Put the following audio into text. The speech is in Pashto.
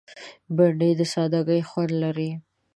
بېنډۍ د سادګۍ خوند لري